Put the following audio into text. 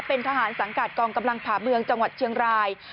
เป็นทหารสังกัดกองกำลังผ่าเมืองจังหวัดเชียงราย